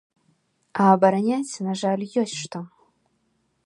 А абараняць, на жаль, ёсць што.